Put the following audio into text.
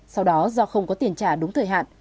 sau đó do không có tiền trả đúng thời hạn